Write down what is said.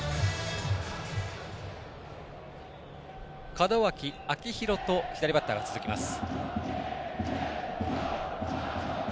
門脇、秋広と左バッターが続きます。